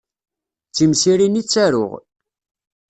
D timsirin i ttaruɣ.